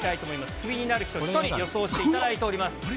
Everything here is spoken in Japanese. クビになる人、１人、予想していただいております。